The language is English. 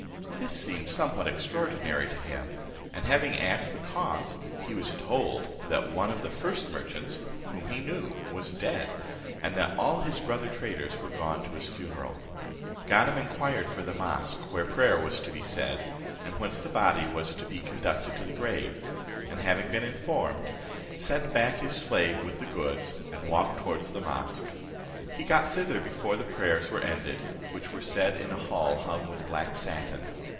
This seemed somewhat extraordinary to him and having asked the cause, he was told, that one of the first merchants, whom he knew, was dead, and that all his brother traders were gone to his funeral. Ganem inquired for the mosque, where prayer was to be said, and whence the body was to be conducted to the grave; and having been informed, sent back his slave with the goods, and walked towards the mosque. He got thither before the prayers were ended, which were said in a hall hung with black satin.